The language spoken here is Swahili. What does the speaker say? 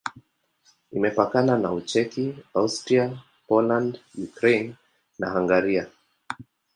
Imepakana na Ucheki, Austria, Poland, Ukraine na Hungaria.